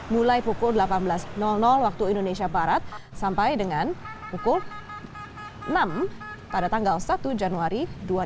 mulai pukul delapan belas waktu indonesia barat sampai dengan pukul enam pada tanggal satu januari dua ribu enam belas